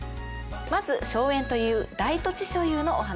まず荘園という大土地所有のお話。